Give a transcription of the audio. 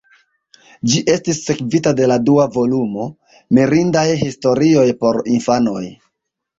Ĝi estis sekvita de la dua volumo, "Mirindaj historioj por infanoj".